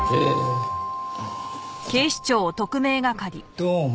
どうも。